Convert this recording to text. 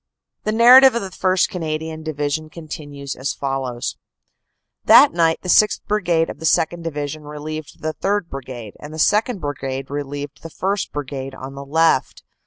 The narrative of the 1st. Canadian Division continues as follows: "That night the 6th. Brigade of the 2nd. Division relieved the 3rd. Brigade, and the 2nd. Brigade relieved the 1st. Brigade on the left.